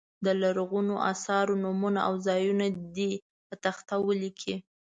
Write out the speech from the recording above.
د لرغونو اثارو نومونه او ځایونه دې په تخته ولیکي.